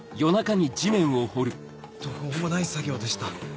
途方もない作業でした